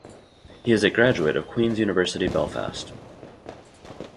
He is a graduate of Queens University, Belfast.